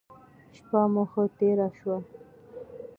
شپه مو ښه تیره شوه.